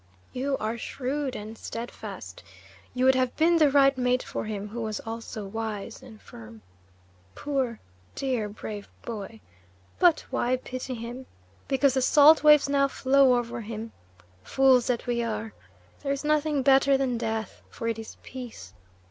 You are shrewd and steadfast. You would have been the right mate for him who was also wise and firm. Poor, dear, brave boy! But why pity him? Because the salt waves now flow over him? Fools that we are! There is nothing better than death, for it is peace.